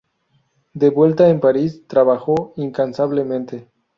De vuelta en París, trabajó incansablemente.